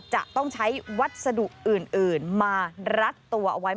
จะต้องใช้วัสดุอื่นมารัดตัวเอาไว้